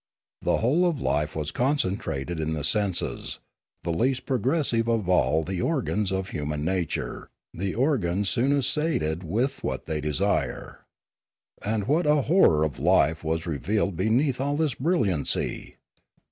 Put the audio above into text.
The whole of life was concentrated in the senses, the least progressive of all the organs of human nature, the organs soonest sated with what they desire. And what a horror of life was revealed beneath all this brilliancy!